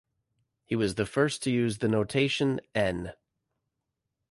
He was the first to use the notation "n"!